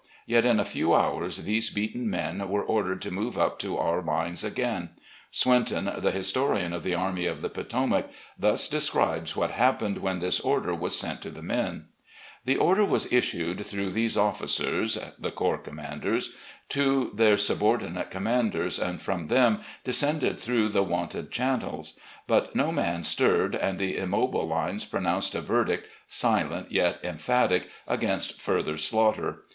Yet in a few hours these beaten men were ordered to move up to our lines again. Swinton, the historian of the Army of the Potomac, thus describes what happened when this order was sent to the men: 128 FRONTING THE ARMY OP THE POTOMAC 129 "The order was issued through these oflBcers" (the v'orps commanders) "to their subordinate commanders, and from them descended through the wonted channels; but no man stirred, and the immobile lines pronounced a verdict, silent, yet emphatic, against further slaughter.